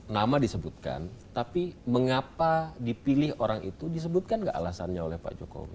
nama disebutkan tapi mengapa dipilih orang itu disebutkan nggak alasannya oleh pak jokowi